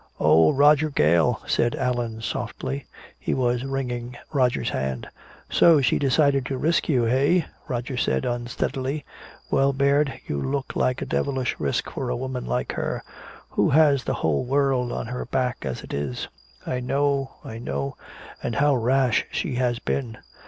"Oh, Roger Gale," said Allan softly. He was wringing Roger's hand. "So she decided to risk you, eh," Roger said unsteadily. "Well, Baird, you look like a devilish risk for a woman like her who has the whole world on her back as it is " "I know I know and how rash she has been!